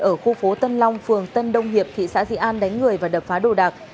ở khu phố tân long phường tân đông hiệp thị xã di an đánh người và đập phá đồ đạc